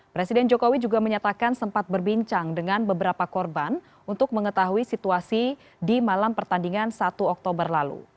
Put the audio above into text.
presiden jokowi juga menyatakan sempat berbincang dengan beberapa korban untuk mengetahui situasi di malam pertandingan satu oktober lalu